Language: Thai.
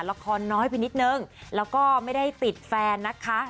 ละครน้อยไปนิดนึงแล้วก็ไม่ได้ติดแฟนนะคะ